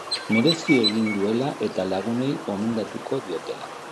Merezi egin duela eta lagunei gomendatuko diotela.